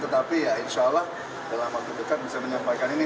tetapi ya insya allah dalam waktu dekat bisa menyampaikan ini